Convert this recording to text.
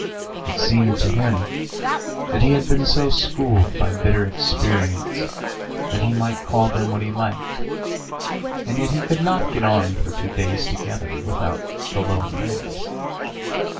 It seemed to him that he had been so schooled by bitter experience that he might call them what he liked, and yet he could not get on for two days together without "the lower race."